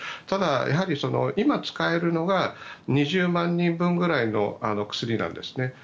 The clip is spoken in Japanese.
ただ、今使えるのは２０万人分ぐらいの薬なんですね。